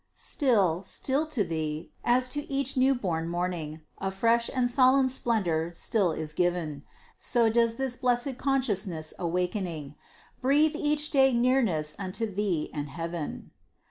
Still, still to Thee, as to each new born morning, A fresh and solemn splendor still is giv'n, So does this blessed consciousness awaking, Breathe each day nearness unto Thee and heav'n.